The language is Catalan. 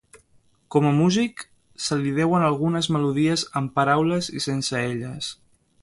Com a músic, se li deuen algunes melodies amb paraules i sense elles.